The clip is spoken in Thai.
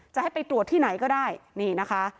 จะให้ไปตรวจที่ไหนก็ได้นี่นะคะ